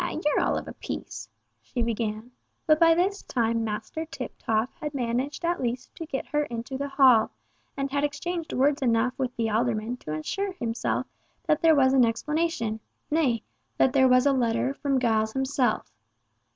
"Ah! you're all of a piece," she began; but by this time Master Tiptoff had managed at least to get her into the hall, and had exchanged words enough with the alderman to assure himself that there was an explanation, nay, that there was a letter from Giles himself.